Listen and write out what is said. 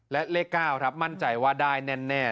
และเลข๙ครับมั่นใจว่าได้แน่